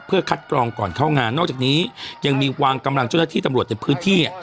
เพื่อคัดกรองก่อนเข้างานนอกจากนี้ยังมีวางกำลังเจ้าหน้าที่ตำรวจในพื้นที่